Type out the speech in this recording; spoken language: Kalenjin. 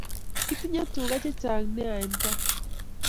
Kitinye tuka che chang nea en gaa